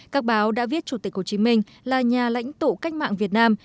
các báo đã viết chủ tịch hồ chí minh là nhà lãnh tụ cách mạng việt nam